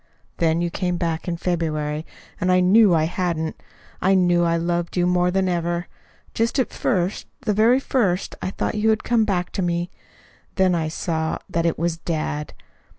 "Then you came back in February, and I knew I hadn't. I knew I loved you more than ever. Just at first, the very first, I thought you had come back to me. Then I saw that it was dad.